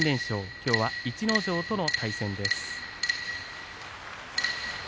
きょうは逸ノ城との対戦です。